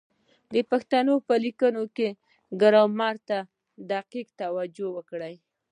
د پښتو په لیکلو کي ګرامر ته دقیقه توجه وکړئ!